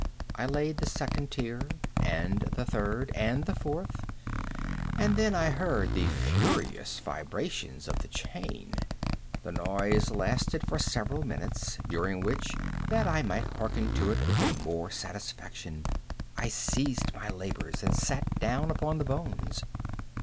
I laid the second tier, and the third, and the fourth; and then I heard the furious vibrations of the chain. The noise lasted for several minutes, during which, that I might hearken to it with the more satisfaction, I ceased my labors and sat down upon the bones.